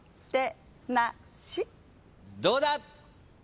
どうだ？